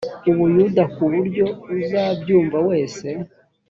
u buyuda ku buryo uzabyumva wese